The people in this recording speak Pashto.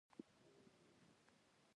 زه د روغتیا خیال ساتم.